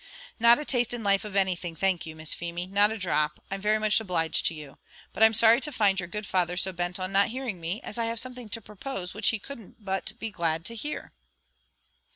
"Not a taste in life of anything, thank you, Miss Feemy; not a drop, I'm very much obliged to you: but I'm sorry to find your good father so bent on not hearing me, as I have something to propose which he couldn't but be glad to hear."